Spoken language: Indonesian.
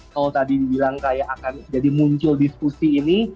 kalau tadi dibilang kayak akan jadi muncul diskusi ini